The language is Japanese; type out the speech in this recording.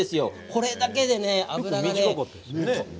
これだけで脂がね